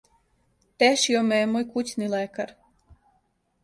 тешио ме је мој кућни лекар